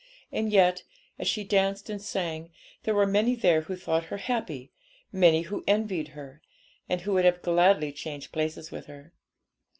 And yet, as she danced and sang, there were many there who thought her happy, many who envied her, and who would have gladly changed places with her.